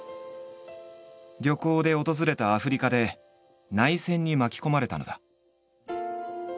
旅行で訪れたアフリカで内戦に巻き込まれたのだ。